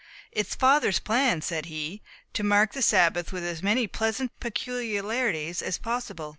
"It is father's plan," said he, "to mark the Sabbath with as many pleasant peculiarities as possible."